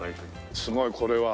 すごいこれは。